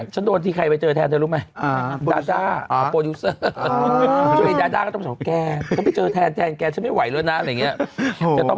ชันโดนที่ใครไปเจอแทยานนะรู้ไหม